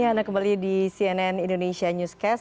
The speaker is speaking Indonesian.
ya anda kembali di cnn indonesia newscast